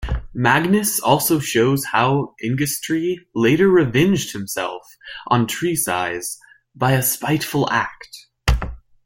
Magnus also shows how Ingestree later revenged himself on Tresize by a spiteful act.